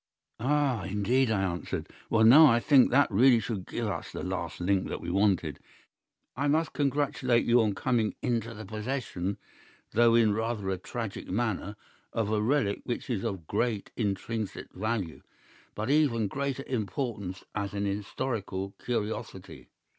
"'Ah, indeed!' I answered. 'Well now, I think that really should give us the last link that we wanted. I must congratulate you on coming into the possession, though in rather a tragic manner of a relic which is of great intrinsic value, but of even greater importance as an historical curiosity.